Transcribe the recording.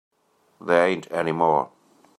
There ain't any more.